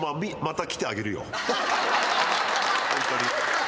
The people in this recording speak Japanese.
ホントに。